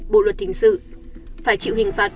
bộ luật hình sự phải chịu hình phạt